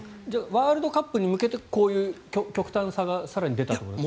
ワールドカップに向けてこういう極端さが更に出たという？